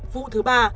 vụ thứ ba